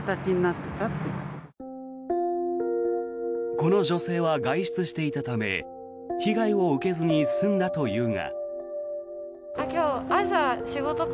この女性は外出していたため被害を受けずに済んだというが。